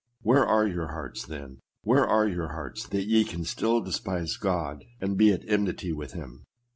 "Where are your hearts, then ? Where are your hearts, that ye can still despise God, and be at enmity with him